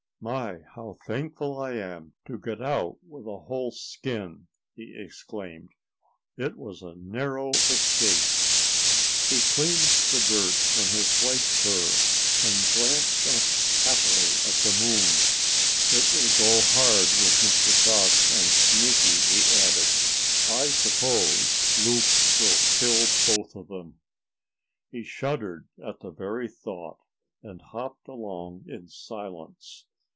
"My, how thankful I am to get out with a whole skin!" he exclaimed. "It was a narrow escape." He cleaned the dirt from his white fur, and glanced up happily at the moon. "It will go hard with Mr. Fox and Sneaky," he added. "I suppose Loup will kill both of them." He shuddered at the very thought, and hopped along in silence.